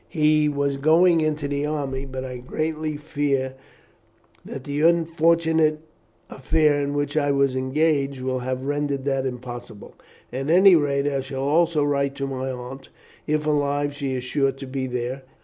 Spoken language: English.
He was going into the army, but I greatly fear that the unfortunate affair in which I was engaged will have rendered that impossible. At any rate, I shall also write to my aunt; if alive she is sure to be there.